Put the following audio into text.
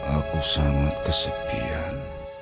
aku sangat kesepian